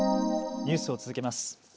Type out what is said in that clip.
ニュースを続けます。